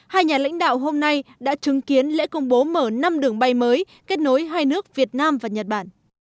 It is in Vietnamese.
hai nhà lãnh đạo hôm nay đã chứng kiến lễ công bố mở năm đường bay mới kết nối hai nước việt nam và nhật bản